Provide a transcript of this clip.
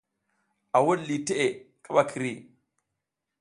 A wuɗ liʼi teʼe kaɓa kiri.